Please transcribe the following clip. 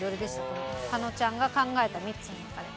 加納ちゃんが考えた３つの中で。